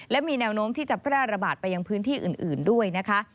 และมีแนวโน้มที่จะแพร่ระบาดไปยังพื้นที่อื่นด้วยนะคะ